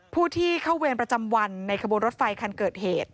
ผู้ที่เข้าเวรประจำวันในขบวนรถไฟคันเกิดเหตุ